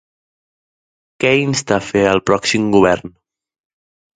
Què insta a fer al pròxim govern?